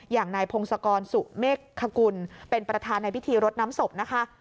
อย่างนายพงศกรสุเมฆคกุลเป็นประธานในพิธีรดน้ำศพนะคะ